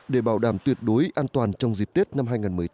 để bảo đảm tuyệt đối an toàn trong dịp tết năm hai nghìn một mươi tám